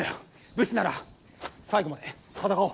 武士なら最後まで戦おう。